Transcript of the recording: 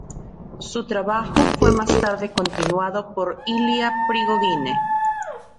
Su trabajo fue más tarde continuado por Ilya Prigogine.